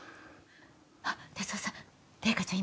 あっ哲雄さん零花ちゃん